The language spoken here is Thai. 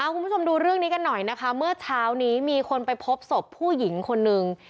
คุณผู้ชมดูเรื่องนี้กันหน่อยนะคะเมื่อเช้านี้มีคนไปพบศพผู้หญิงคนนึง